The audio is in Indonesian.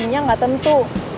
isinya gak tentu